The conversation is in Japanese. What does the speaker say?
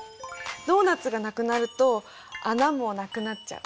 ドーナツがなくなると穴もなくなっちゃう。